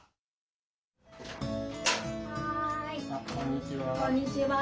こんにちは。